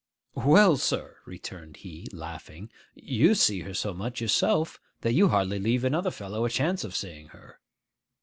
'Well, sir,' returned he, laughing, 'you see her so much yourself, that you hardly leave another fellow a chance of seeing her.